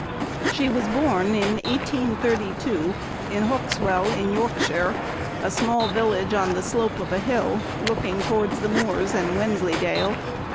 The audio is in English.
She was born, in 1832, at Hauxwell, in Yorkshire, a small village on the slope of a hill, looking towards the moors and Wensleydale.